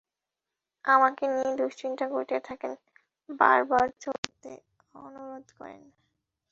আমাকে নিয়ে দুশ্চিন্তা করতে থাকেন, বারবার চলে যেতে অনুরোধ করেন।